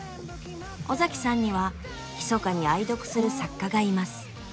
尾崎さんには「ひそかに愛読する作家」がいます。